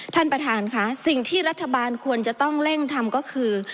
ท่านประธานค่ะสิ่งที่รัฐบาลควรจะต้องเร่งทำก็คือ